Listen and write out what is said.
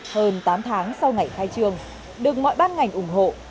hơn tám tháng sau ngày khai trương được mọi ban ngành ủng hộ